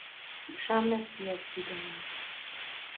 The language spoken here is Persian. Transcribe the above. او شم سیاسی دارد.